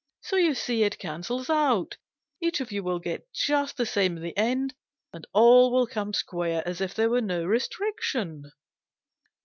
So, you see, it cancels out. Each of you'll get just the same in the end, and all will come square, as if there were no restric tion."